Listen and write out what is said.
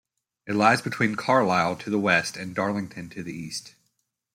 It lies between Carlisle to the west and Darlington to the east.